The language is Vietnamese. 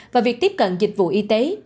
và việc tiếp cận dịch vụ y tế